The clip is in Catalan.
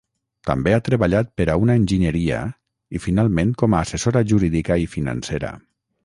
També ha treballat per a una enginyeria i finalment com a assessora jurídica i financera.